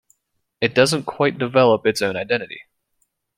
It doesn't quite develop its own identity.